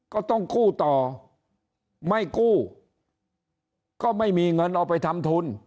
ก็ต้องกู้ต่อไม่กู้ก็ไม่มีเงินเอาไปทำทุน